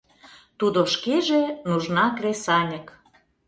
Тудо шкеже нужна кресаньык.